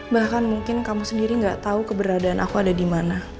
bahkan mungkin kamu sendiri gak tau keberadaan aku ada dimana